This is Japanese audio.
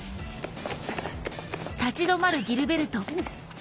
すいません。